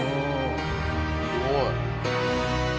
すごい。